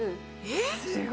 えっ？